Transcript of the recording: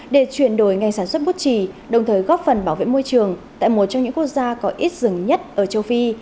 để chuyển đổi ngành sản xuất bút trì đồng thời góp phần bảo vệ môi trường tại một trong những quốc gia có ít rừng nhất ở châu phi